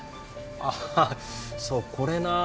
ああそうこれなあ。